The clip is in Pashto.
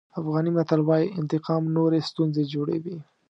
افغاني متل وایي انتقام نورې ستونزې جوړوي.